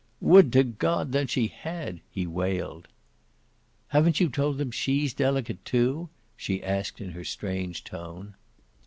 "Would to God then she had!" he wailed. "Haven't you told them she's delicate too?" she asked in her strange tone.